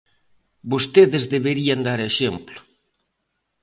Vostedes deberían dar exemplo.